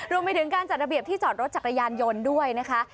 รวมไปถึงการจัดระเบียบที่จอดรถจักรยานยนต์ด้วยนะคะ